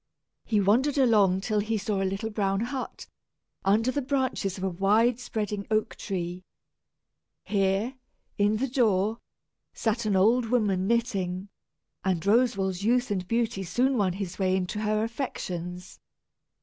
He wandered along till he saw a little brown hut, under the branches of a wide spreading oak tree. Here, in the door, sat an old woman knitting, and Roswal's youth and beauty soon won his way into her affections.